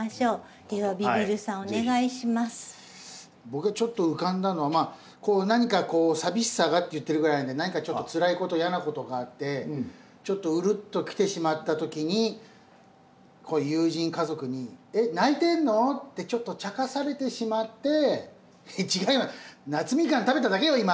僕がちょっと浮かんだのは何かこう「淋しさが」って言ってるぐらいなので何かちょっとつらいこと嫌なことがあってちょっとうるっと来てしまった時に友人家族に「えっ泣いてんの？」ってちょっとちゃかされてしまって「違うよ。夏蜜柑食べただけよ今」